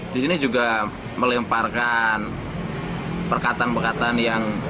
di sini juga melemparkan perkataan perkataan yang